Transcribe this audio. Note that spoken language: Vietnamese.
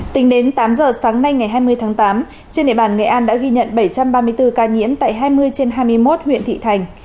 tính đến tám giờ sáng nay ngày hai mươi tháng tám trên địa bàn nghệ an đã ghi nhận bảy trăm ba mươi bốn ca nhiễm tại hai mươi trên hai mươi một huyện thị thành